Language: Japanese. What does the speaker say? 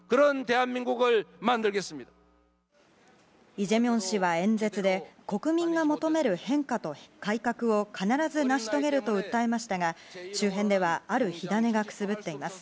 イ・ジェミョン氏は演説で国民が求める変化と改革を必ず成し遂げると訴えましたが周辺ではある火種がくすぶっています。